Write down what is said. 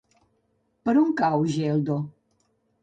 Per on cau Geldo?